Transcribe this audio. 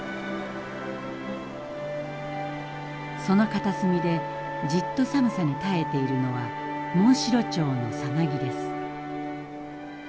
その片隅でじっと寒さに耐えているのはモンシロチョウのさなぎです。